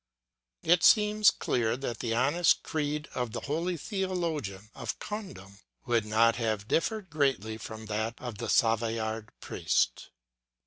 It seems clear that the honest creed of the holy theologian of Condom would not have differed greatly from that of the Savoyard priest.